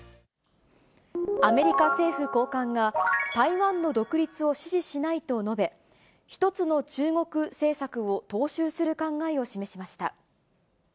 アメリカ政府高官が、台湾の独立を支持しないと述べ、一つの中国政策を踏襲する考えを示しました。